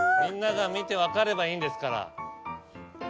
みんなが見て分かればいいんですから。